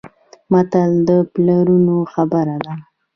متل د پلرونو خبره ده.